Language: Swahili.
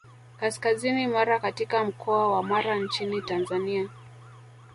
Kaskazini Mara katika mkoa wa Mara nchini Tanzania